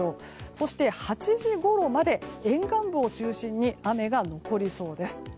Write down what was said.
そして、８時ごろまで沿岸部を中心に雨が残りそうです。